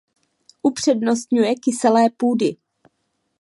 Upřednostňuje kyselé půdy.